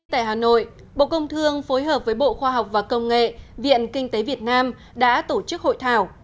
tại hà nội bộ công thương phối hợp với bộ khoa học và công nghệ viện kinh tế việt nam đã tổ chức hội thảo